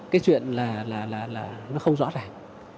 cái chuyện là nó không rõ ràng